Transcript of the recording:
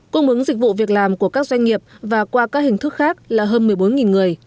cung ứng dịch vụ việc làm của các doanh nghiệp và qua các hình thức khác là hơn một mươi bốn người